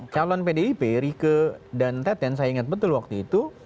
calon pdip rike dan teten saya ingat betul waktu itu